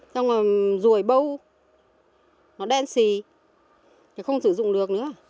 xong rồi rùi bâu nó đen xì không sử dụng được nữa